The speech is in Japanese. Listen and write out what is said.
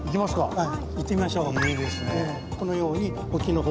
はい。